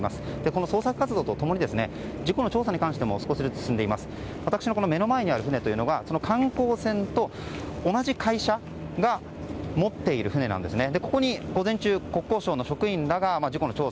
この捜索活動と共に事故の調査に関しても少しずつ進んでいて目の前にある船が観光船と同じ会社が持っている船なんですね。